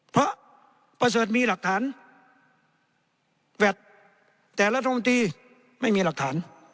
เพราะประเสริฐมีหลักฐานแวดแต่รัฐมนตรีไม่มีหลักฐาน